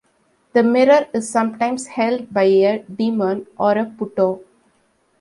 The mirror is sometimes held by a demon or a putto.